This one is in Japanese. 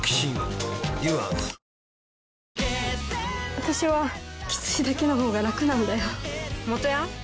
私はきついだけのほうが楽なんだよ元ヤン？